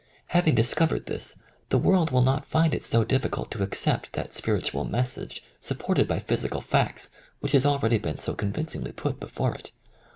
Having discovered this, the world will not find it so difficult to accept that spiritual message supported by physical facts which has already been so convincingly put before it.